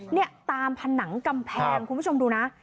เนี่ยตามผนังกำแพงคุณผู้ชมดูนะ